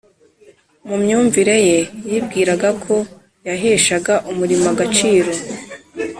mu myumvire ye yibwiraga ko yaheshaga umurimo agaciro